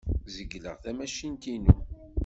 Zegleɣ tamacint-inu.